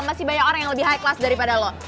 masih banyak orang yang lebih high class daripada lo